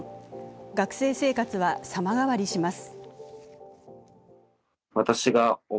学生生活は様変わりします。